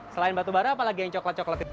selain batu bara apalagi yang terlihat seperti ini